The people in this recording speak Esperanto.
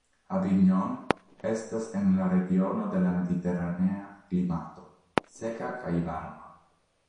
Avignon estas en la regiono de la mediteranea klimato, seka kaj varma.